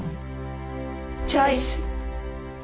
チョイス！